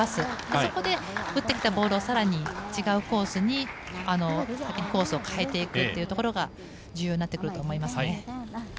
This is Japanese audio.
そこで、打ってきたボールを更に違うコースに、先にコースを変えていくというところが重要になってくると思いますね。